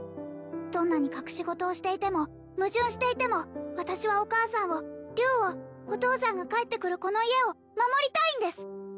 どんなに隠し事をしていても矛盾していても私はお母さんを良をお父さんが帰ってくるこの家を守りたいんです